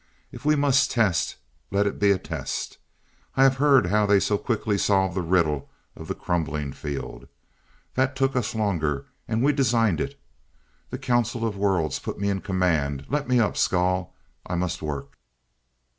If we must test, let it be a test. I have heard how they so quickly solved the riddle of the crumbling field. That took us longer, and we designed it. The Counsel of Worlds put me in command, let me up, Skahl, I must work."